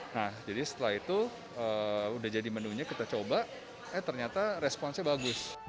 nah jadi setelah itu udah jadi menunya kita coba eh ternyata responsnya bagus